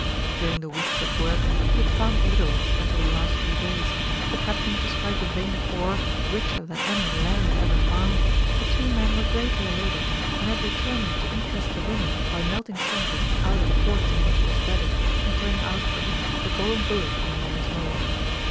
During the weeks he had worked he had found little, until the last few days, but happening to strike a vein of ore, richer than any Larry had ever found, the two men were greatly elated, and had determined to interest the women by melting some of it out of the quartz in which it was bedded, and turning out for each a golden bullet in Larry's mold.